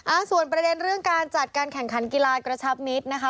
อ่าส่วนประเด็นเรื่องการจัดการแข่งขันกีฬากระชับมิตรนะคะ